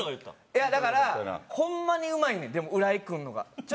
いやだからホンマにうまいねんでも浦井君の方が。